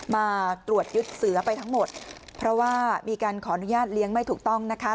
มาตรวจยึดเสือไปทั้งหมดเพราะว่ามีการขออนุญาตเลี้ยงไม่ถูกต้องนะคะ